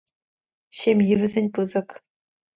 Ҫемйи вӗсен пысӑк.